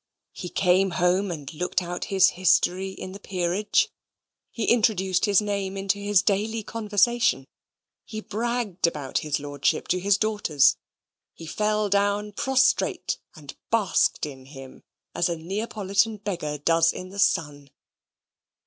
He came home and looked out his history in the Peerage: he introduced his name into his daily conversation; he bragged about his Lordship to his daughters. He fell down prostrate and basked in him as a Neapolitan beggar does in the sun.